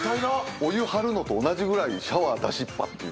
お湯張るのと同じぐらいシャワー出しっぱっていう。